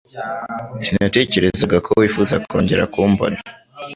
Sinatekerezaga ko wifuza kongera kumbona